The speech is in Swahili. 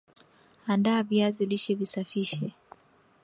Andaa viazi lishe visafishe